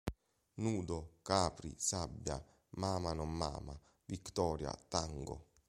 Nudo, Capri, Sabbia, M'Ama Non M'Ama, Victoria, Tango.